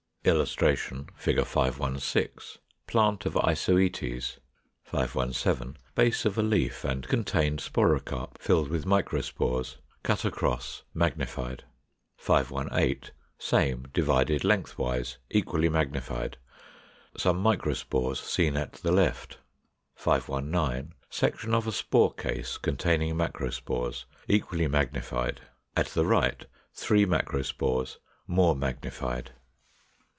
] [Illustration: Fig. 516. Plant of Isoetes. 517. Base of a leaf and contained sporocarp filled with microspores cut across, magnified. 518. Same divided lengthwise, equally magnified; some microspores seen at the left. 519. Section of a spore case containing macrospores, equally magnified; at the right three macrospores more magnified.